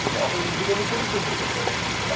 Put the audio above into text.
ওদের খুব একটা কমিয়ে দেখো না।